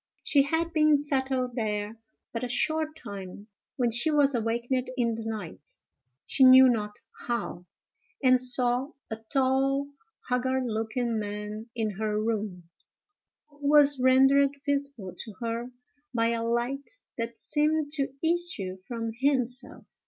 She had been settled there but a short time, when she was awakened in the night, she knew not how, and saw a tall, haggard looking man in her room, who was rendered visible to her by a light that seemed to issue from himself.